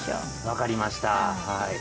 分かりましたはい。